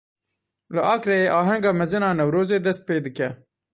Li Akreyê ahenga mezin a Newrozê dest pê dike.